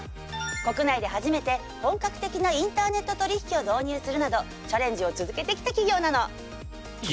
国内で初めて本格的なインターネット取引を導入するなどチャレンジを続けてきた企業なの！